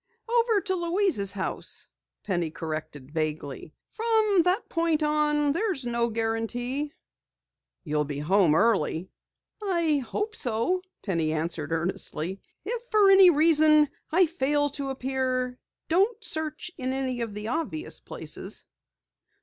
"Over to Louise's house," Penny corrected vaguely. "From that point on there's no guarantee." "You'll be home early?" "I hope so," Penny answered earnestly. "If for any reason I fail to appear, don't search in any of the obvious places."